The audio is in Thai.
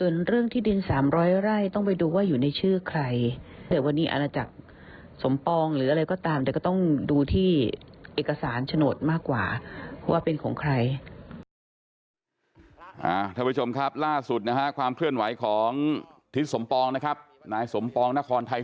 เดี๋ยวก็ต้องดูที่เอกสารฉนดมากกว่าเพราะว่าเป็นของใคร